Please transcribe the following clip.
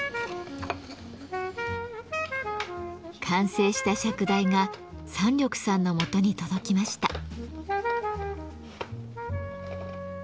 完成した釈台が山緑さんのもとに届きました。